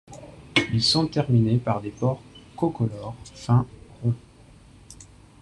Ils sont terminés par des pores concolores, fins, ronds.